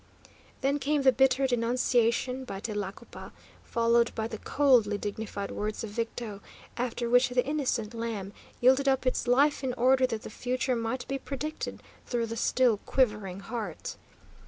Then came the bitter denunciation by Tlacopa, followed by the coldly dignified words of Victo, after which the innocent lamb yielded up its life in order that the future might be predicted through the still quivering heart.